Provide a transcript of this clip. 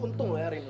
lu untung lah ya rina